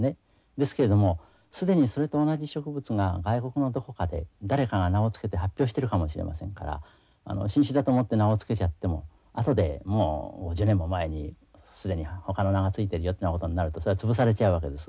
ですけれども既にそれと同じ植物が外国のどこかで誰かが名を付けて発表してるかもしれませんから新種だと思って名を付けちゃっても後でもう５０年も前に既にほかの名が付いてるよってなことになるとそれは潰されちゃうわけです。